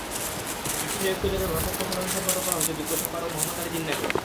ব্যবসায়ী ঐক্যজোটের ভারপ্রাপ্ত সাধারণ সম্পাদক করা হয়েছে যুগ্ম সম্পাদক মোহাম্মদ আলী জিন্নাহকে।